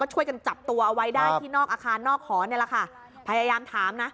ช่วยกันจับตัวเอาไว้ได้ที่นอกอาคารนอกหอเนี่ยแหละค่ะพยายามถามนะ